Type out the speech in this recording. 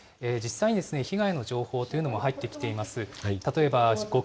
佐竹さん、実際に被害の情報というのも入ってきています。